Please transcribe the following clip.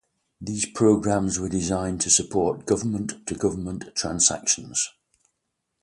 These programs were designed to support government-to-government transactions.